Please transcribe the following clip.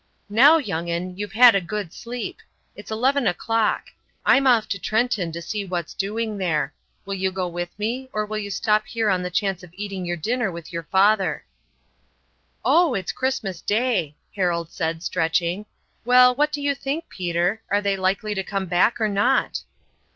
"Now, young un, you've had a good sleep; it's eleven o'clock. I'm off to Trenton to see what's doing there. Will you go with me, or will you stop here on the chance of eating your dinner with your father?" "Oh, it's Christmas Day," Harold said, stretching. "Well, what do you think, Peter are they likely to come back or not?"